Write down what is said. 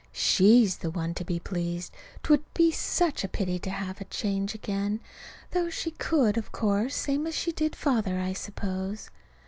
She's the one to be pleased. 'T would be such a pity to have to change again. Though she could, of course, same as she did Father, I suppose.